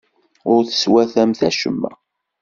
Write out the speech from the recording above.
Ur teswatamt acemma.